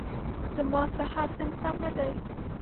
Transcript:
زما صحت نن سم نه دی.